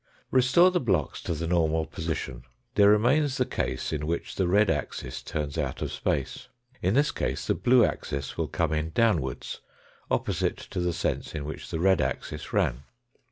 Restore the blocks to the normal position, there remains the case in which the red axis turns out of space. In this case the blue axis will come in down wards, opposite to the sense in which the red axis ran.